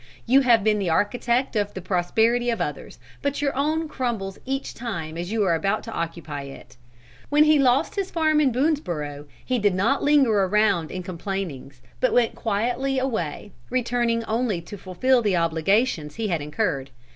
You have been the architect of the prosperity of others, but your own crumbles each time as you are about to occupy it. When he lost his farm in Boonesborough, he did not linger around in complainings, but went quietly away, returning only to fulfil the obligations he had incurred.